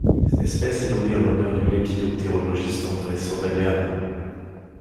Cette espèce est nommée en l'honneur du lépidoptérologiste Andrés Orellana.